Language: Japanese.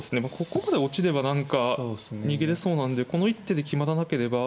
ここまで落ちれば何か逃げれそうなんでこの一手で決まらなければ。